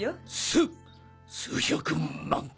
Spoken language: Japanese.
す数百万！